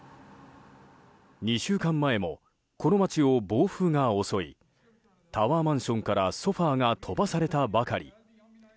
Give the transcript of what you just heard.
２週間前も、この町を暴風が襲いタワーマンションからソファが飛ばされたばかり。